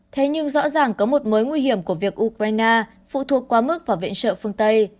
thế nhưng rõ ràng có một mối nguy hiểm của việc ukraine phụ thuộc quá mức vào viện trợ phương tây